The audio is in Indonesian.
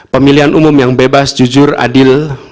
pemilihan umum yang bebas jujur adil